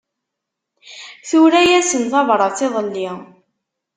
Tura-yasen tabrat iḍelli.